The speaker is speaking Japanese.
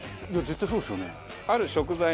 絶対そうですよね。